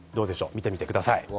見てみてください。